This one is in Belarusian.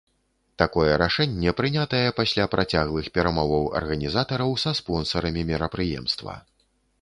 Такое рашэнне прынятае пасля працяглых перамоваў арганізатараў са спонсарамі мерапрыемства.